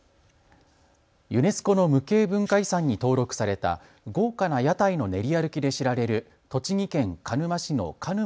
ユネスコの無形文化遺産に登録された豪華な屋台の練り歩きで知られる栃木県鹿沼市の鹿沼